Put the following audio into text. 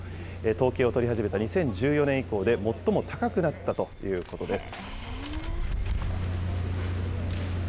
統計を取り始めた２０１４年以降で最も高くなったということです。